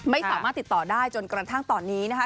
ไม่สามารถติดต่อได้จนกระทั่งตอนนี้นะคะ